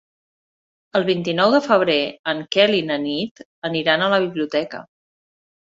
El vint-i-nou de febrer en Quel i na Nit aniran a la biblioteca.